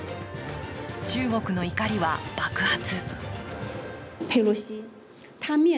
中国の怒りは爆発。